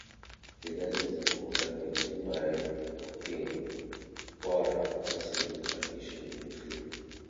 The garden is owned and maintained by Worthing Borough Council with admission being free.